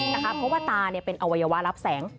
เพราะว่าตาเป็นอวัยวะรับแสง